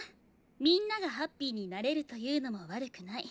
みんながハッピーになれるというのも悪くない。